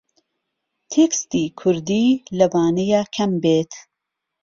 تێکستی کووردی لەوانەیە کەم بێت